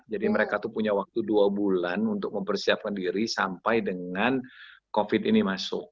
jadi mereka itu punya waktu dua bulan untuk mempersiapkan diri sampai dengan covid ini masuk